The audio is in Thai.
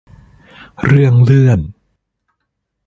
เรื่องเลื่อน